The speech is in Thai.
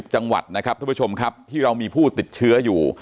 จังหวัดนะครับทุกผู้ชมครับที่เรามีผู้ติดเชื้ออยู่